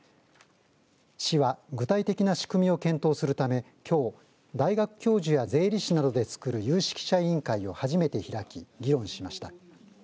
市は、具体的な仕組みを検討するためきょう、大学教授や税理士などでつくる有識者委員会を初めて開き議論しました。